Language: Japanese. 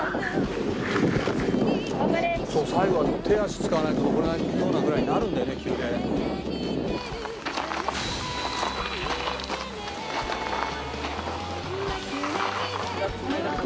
「そう最後は手足使わないと登れないようなぐらいになるんだよね急でね」